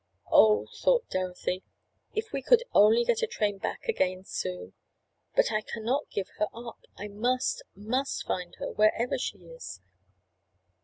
"Oh," thought Dorothy, "if we could only get a train back again soon! But I can not give her up! I must—must find her wherever she is!"